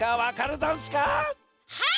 はい！